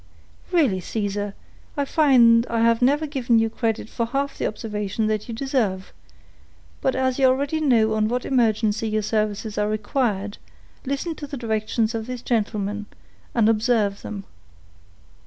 "Really, Caesar, I find I have never given you credit for half the observation that you deserve; but as you already know on what emergency your services are required, listen to the directions of this gentleman, and observe them."